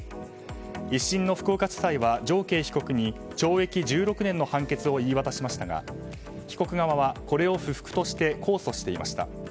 １審の福岡地裁は常慶被告に懲役１６年の判決を言い渡しましたが被告側はこれを不服として控訴していました。